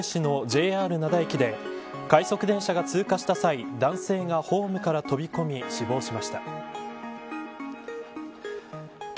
昨日午後６時すぎ神戸市のＪＲ灘駅で快速電車が通過した際男性がホームから飛び込み死亡しました。